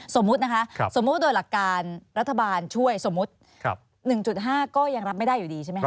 สมมุติโดยหลักการรัฐบาลช่วยสมมุติ๑๕ก็ยังรับไม่ได้อยู่ดีใช่ไหมครับ